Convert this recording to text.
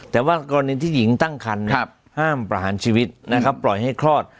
แต่ว่ากรณีที่หญิงตั้งคันห้ามประหารชีวิตนะครับปล่อยให้คลอด